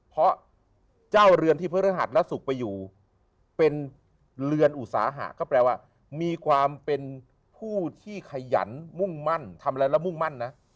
เพราะเจ้าเรือนที่พฤหัสและสุขไปอยู่เป็นเรือนอุตสาหะก็แปลว่ามีความเป็นผู้ที่ขยันมุ่งมั่น